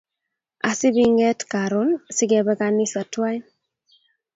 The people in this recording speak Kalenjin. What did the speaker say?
Asipiing'et karon sikebe ganisa twain